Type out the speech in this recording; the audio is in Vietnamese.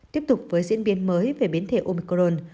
tiếp tục với diễn biến mới về biến thể omicron